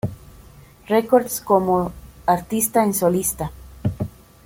Records como artista en solista.